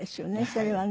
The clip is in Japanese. それはね。